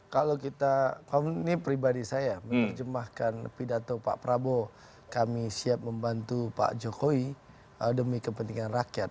kalau kita ini pribadi saya menerjemahkan pidato pak prabowo kami siap membantu pak jokowi demi kepentingan rakyat